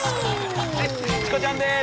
はいチコちゃんです。